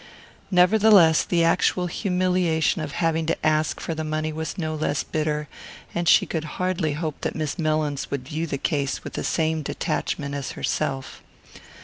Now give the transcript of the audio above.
Nevertheless, the actual humiliation of having to ask for the money was no less bitter; and she could hardly hope that Miss Mellins would view the case with the same detachment as herself.